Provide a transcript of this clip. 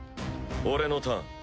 俺のターン！